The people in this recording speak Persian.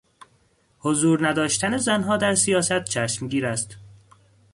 حضور نداشتن زنها در سیاست چشمگیر است.